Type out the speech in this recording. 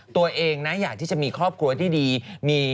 ตัวเองนะอยากที่จะมีครอบครัวที่ดี